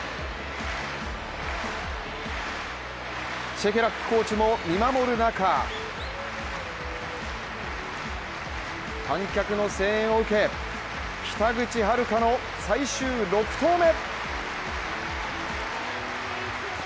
シェケラックコーチも見守る中、観客の声援を受け、北口榛花の最終６投目。